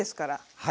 はい。